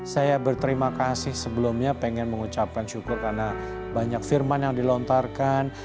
saya berterima kasih sebelumnya pengen mengucapkan syukur karena banyak firman yang dilontarkan